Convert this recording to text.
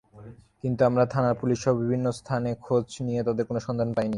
কিন্তু আমরা থানার পুলিশসহ বিভিন্ন স্থানে খোঁজ নিয়ে তাদের কোনো সন্ধান পাইনি।